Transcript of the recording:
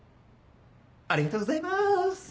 ありがとうございます！